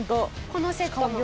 このセットも。